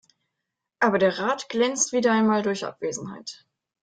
Aber der Rat glänzt wieder einmal durch Abwesenheit.